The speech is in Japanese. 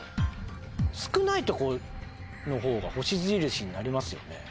少ないとこのほうが星印になりますよね。